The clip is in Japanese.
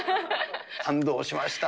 感動しました。